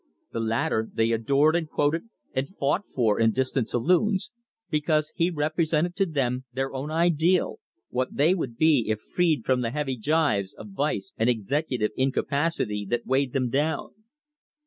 The latter they adored and quoted and fought for in distant saloons, because he represented to them their own ideal, what they would be if freed from the heavy gyves of vice and executive incapacity that weighed them down.